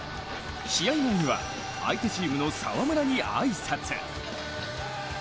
試合前には、相手チームの澤村に挨拶。